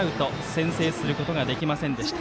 先制することができませんでした。